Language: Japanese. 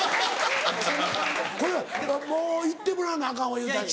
これはもう行ってもらわなアカンわ裕太に。